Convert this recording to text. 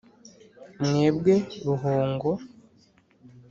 mwebwe ruhongo,